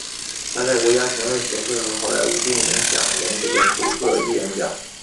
他在国家评论协会和好莱坞电影奖赢得突破艺人奖。